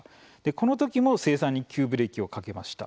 この時も生産に急ブレーキをかけました。